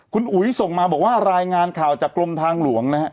คุณอุ๋ยส่งมาบอกว่ารายงานข่าวจากกรมทางหลวงนะฮะ